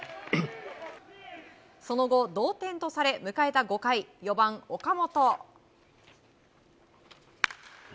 その後、同点とされ迎えた５回４番、岡本。